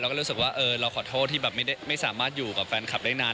ก็รู้สึกว่าเราขอโทษที่แบบไม่สามารถอยู่กับแฟนคลับได้นาน